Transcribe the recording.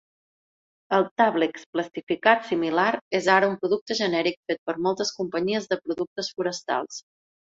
El "tàblex plastificat" similar és ara un producte genèric fet per moltes companyies de productes forestals.